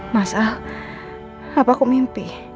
mas al apa aku mimpi